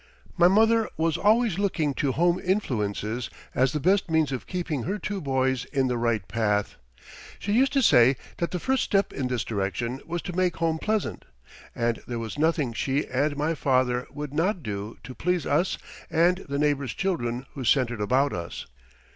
My mother was always looking to home influences as the best means of keeping her two boys in the right path. She used to say that the first step in this direction was to make home pleasant; and there was nothing she and my father would not do to please us and the neighbors' children who centered about us.